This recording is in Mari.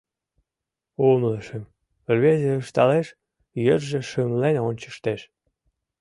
Умылышым... — рвезе ышталеш, йырже шымлен ончыштеш.